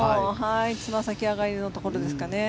つま先上がりのところですかね。